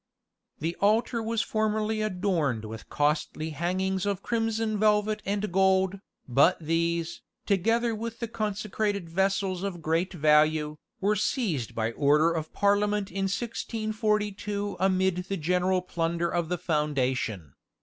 The altar was formerly adorned with costly hangings of crimson velvet and gold, but these, together with the consecrated vessels of great value, were seized by order of Parliament in 1642 amid the general plunder of the foundation.